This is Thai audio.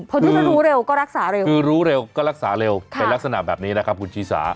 เพราะถ้ารู้เร็วก็รักษาเร็วคือรู้เร็วก็รักษาเร็วเป็นลักษณะแบบนี้นะครับคุณชีสา